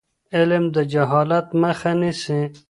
علم د جهالت مخه نیسي.